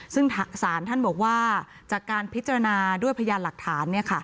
ซึ่งสารท่านบอกว่าจากการพิจารณาด้วยพยานหลักฐาน